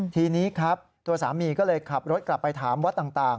ทีนี้ครับตัวสามีก็เลยขับรถกลับไปถามวัดต่าง